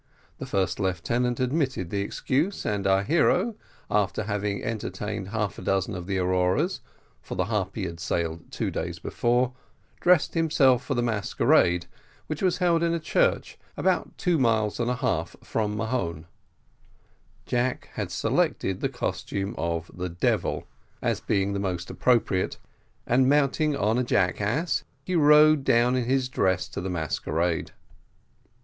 The first lieutenant admitted the excuse, and our hero, after having entertained half a dozen of the Auroras, for the Harpy had sailed two days before, dressed himself for the masquerade, which was held in a church about two miles and a half from Mahon. Jack had selected the costume of the devil, as being the most appropriate, and mounting a jackass, he rode down in his dress to the masquerade.